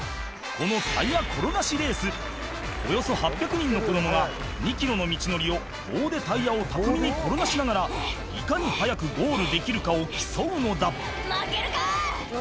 このおよそ８００人の子供が２ｋｍの道のりを棒でタイヤを巧みに転がしながらいかに早くゴールできるかを競うのだ負けるか！